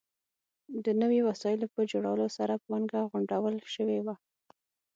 د نویو وسایلو په جوړولو سره پانګه غونډول شوې وه.